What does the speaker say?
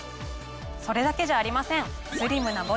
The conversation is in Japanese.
それだけじゃありません！